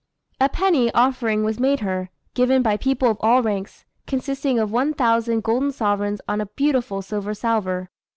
_" A penny offering was made her, given by people of all ranks, consisting of one thousand golden sovereigns on a beautiful silver salver.